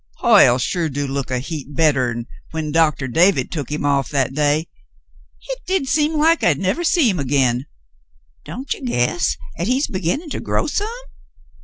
'* Hoyle sure do look a heap bettah'n when Doctah David took him off that day. Hit did seem like I'd nevah see him again. Don't you guess 'at he's beginnin' to grow some